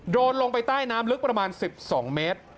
ลงไปใต้น้ำลึกประมาณ๑๒เมตร